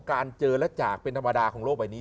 การเจอและจากเป็นธรรมดาของโลกใบนี้